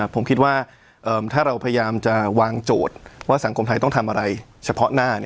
ผมคิดว่าถ้าเราพยายามจะวางโจทย์ว่าสังคมไทยต้องทำอะไรเฉพาะหน้า